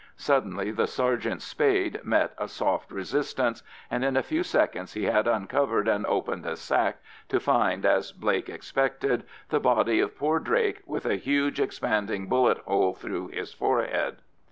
Suddenly the sergeant's spade met a soft resistance, and in a few seconds he had uncovered and opened a sack, to find, as Blake expected, the body of poor Drake with a huge expanding bullet hole through his forehead.